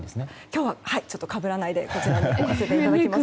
今日はかぶらずにこちらに置かせていただきます。